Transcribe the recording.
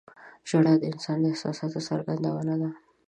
• ژړا د انسان د احساساتو څرګندونه ده.